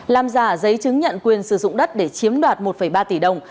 làm giả giấy chứng nhận quyền sử dụng đất để chiếm đoạt một ba tỷ đồng